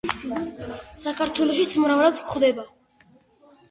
საქართველოშიც მრავლად გვხვდება.